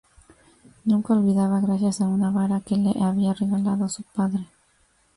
Nunca olvidaba, gracias a una vara que le había regalado su padre.